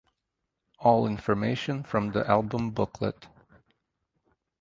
All information from the album booklet.